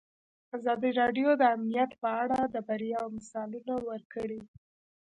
ازادي راډیو د امنیت په اړه د بریاوو مثالونه ورکړي.